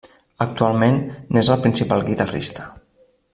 Actualment n'és el principal guitarrista.